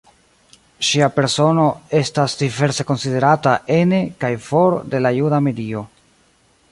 Ŝia persono estas diverse konsiderata ene kaj for de la juda medio.